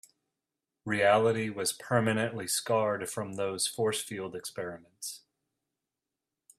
Reality was permanently scarred from those force field experiments.